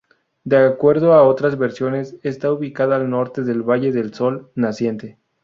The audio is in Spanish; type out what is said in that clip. De acuerdo a otras versiones está ubicada al norte del valle del sol naciente".